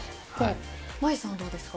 真佑さんはどうですか？